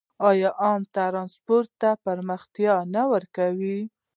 آیا عام ټرانسپورټ ته پراختیا نه ورکوي؟